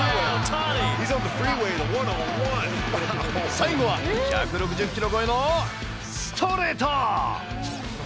最後は１６０キロ超えのストレート！